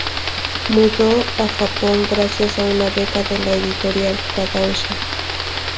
Mudó a Japón gracias a una beca de la editorial Kodansha.